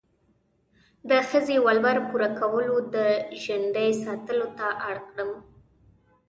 د ښځې ولور پوره کولو، د ژندې ساتلو ته اړ کړم.